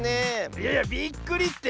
いやいやびっくりって！